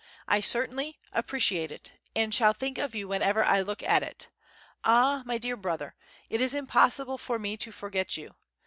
I certainly, appreciate it, and shall think of you whenever I look at it. Ah My Dear Brother, it is impossible for me to forget you.